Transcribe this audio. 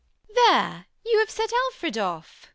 There! you have set Alfred off.